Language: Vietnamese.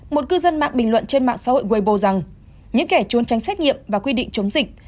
một cư dân mạng bình luận trên mạng xã hội webo rằng những kẻ trốn tránh xét nghiệm và quy định chống dịch